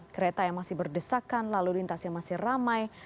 kereta yang masih berdesakan lalu lintas yang masih ramai